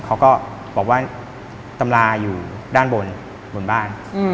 เขาก็บอกว่าตำราอยู่ด้านบนบนบ้าน